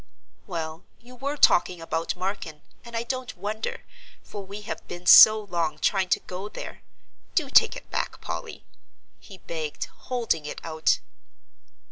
"Well, you were talking about Marken, and I don't wonder, for we have been so long trying to go there. Do take it back, Polly," he begged, holding it out.